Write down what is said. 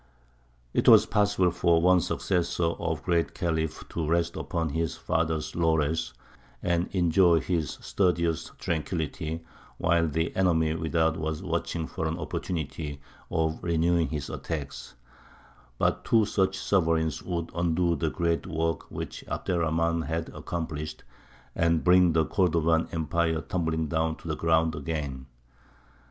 It was possible for one successor of the Great Khalif to rest upon his father's laurels, and enjoy his studious tranquillity, while the enemy without was watching for an opportunity of renewing his attacks; but two such sovereigns would undo the great work which Abd er Rahmān had accomplished, and bring the Cordovan empire tumbling down to the ground again.